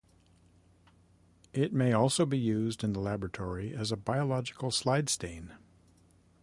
It may also be used in the laboratory as a biological slide stain.